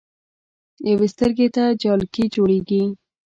يوې سترګې ته جالکي جوړيږي